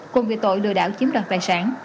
cùng việc tội lừa đảo chiếm đoạt tài sản